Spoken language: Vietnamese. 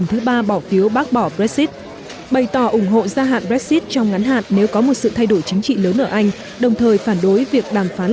phát triển hạn nếu có một sự thay đổi chính trị lớn ở anh đồng thời phản đối việc đàm phán